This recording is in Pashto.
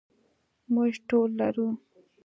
موږ ټول لرو.